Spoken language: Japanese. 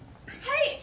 はい。